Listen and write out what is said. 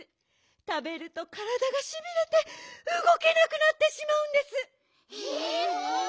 たべるとからだがしびれてうごけなくなってしまうんです。え！？